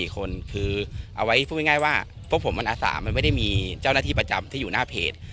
๔คนคือเอาไว้พูดง่ายว่าพวกผมมันอาสามันไม่ได้มีเจ้าหน้าที่ประจำที่อยู่หน้าเพจ